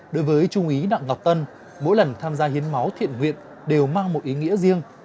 đối với trung úy đặng ngọc tân mỗi lần tham gia hiến máu thiện nguyện đều mang một ý nghĩa riêng